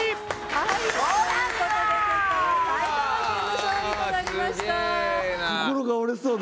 はいという事で正解は埼玉県の勝利となりました。